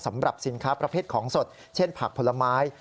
สำหรับสินค้าประเภทของสดเช่นผักผลไม้